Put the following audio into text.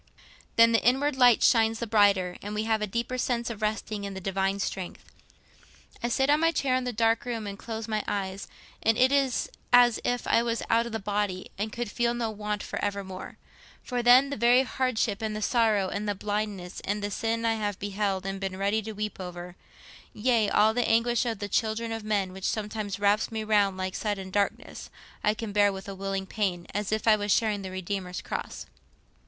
Then the inward light shines the brighter, and we have a deeper sense of resting on the Divine strength. I sit on my chair in the dark room and close my eyes, and it is as if I was out of the body and could feel no want for evermore. For then, the very hardship, and the sorrow, and the blindness, and the sin I have beheld and been ready to weep over—yea, all the anguish of the children of men, which sometimes wraps me round like sudden darkness—I can bear with a willing pain, as if I was sharing the Redeemer's cross.